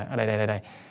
ở đây đây đây